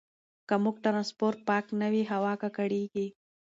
که مو ټرانسپورټ پاک نه وي، هوا ککړېږي.